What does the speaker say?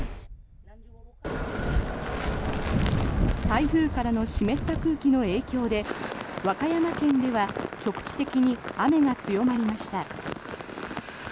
台風からの湿った空気の影響で和歌山県では局地的に雨が強まりました。